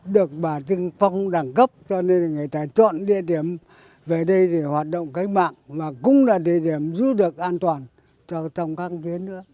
được bà trưng phong đẳng cấp cho nên là người ta chọn địa điểm về đây để hoạt động cách mạng và cũng là địa điểm giữ được an toàn trong các chiến nữa